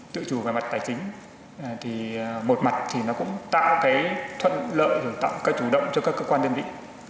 tự chủ và mặt tài chính một mặt cũng tạo thuận lợi và tạo các chủ động cho các cơ quan đơn vị